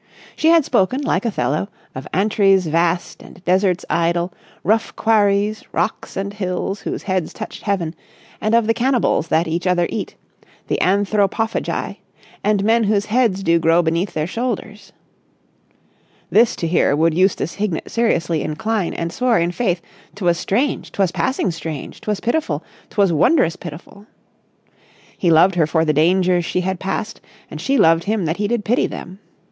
She had spoken, like Othello, of antres vast and deserts idle, rough quarries, rocks and hills whose heads touched heaven, and of the cannibals that each other eat, the Anthropophagi, and men whose heads do grow beneath their shoulders. This to hear would Eustace Hignett seriously incline, and swore, in faith, 'twas strange, 'twas passing strange, 'twas pitiful, 'twas wondrous pitiful. He loved her for the dangers she had passed, and she loved him that he did pity them.